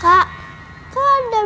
kenapa aka kita yang berom